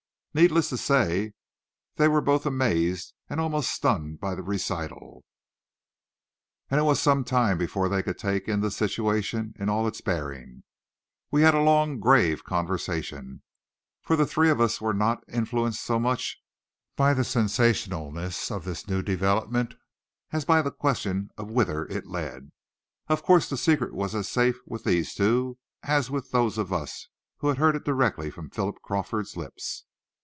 Needless to say, they were both amazed and almost stunned by the recital, and it was some time before they could take in the situation in all its bearings. We had a long, grave conversation, for the three of us were not influenced so much by the sensationalness of this new development, as by the question of whither it led. Of course the secret was as safe with these two, as with those of us who had heard it directly from Philip Crawford's lips.